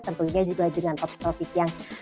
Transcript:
tentunya juga dengan topik topik yang